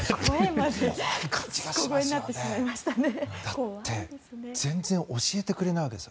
だって全然教えてくれないわけです。